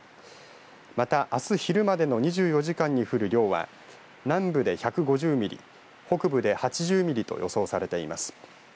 また、あす昼までの２４時間に降る量は南部で１５０ミリ北部で８０ミリと予想されています。